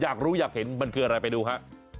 อยากรู้อยากเห็นมันคืออะไรไปดูฮะ